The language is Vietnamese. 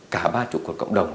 cả ba chủ quốc cộng đồng